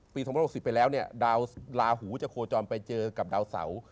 ๒๐๖๐ไปแล้วเนี่ยดาวลาหูจะโคจรไปเจอกับดาวเสา